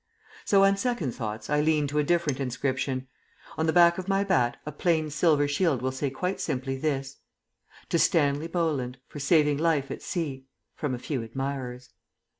So on second thoughts I lean to a different inscription. On the back of my bat a plain silver shield will say quite simply this: TO STANLEY BOLLAND, FOR SAVING LIFE AT SEA. FROM A FEW ADMIRERS.